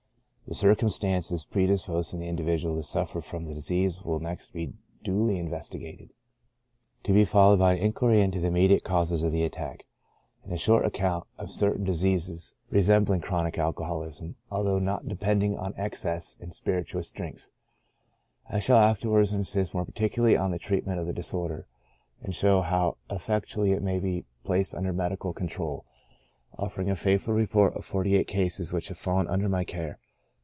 The circumstances predisposing the individual to suffer from the disease will next be duly investigated ; to be followed by an inquiry into the imme diate causes of the attack, and a short account of certain CHRONIC ALCOHOLISM. 2^ diseases resembling chronic alcoholism, although not de pending on excesses in spirituous drinks. I shall afterwards insist more particularly on the treatment of the disorder, and show how effectually it may be placed under medical control ; offering a faithful report of forty eight cases which have fallen under my care.